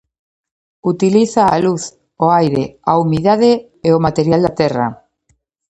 Utiliza a luz, o aire, a humidade, e o material da terra.